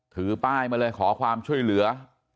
ถือป้ายมาเลยขอความช่วยเหลือ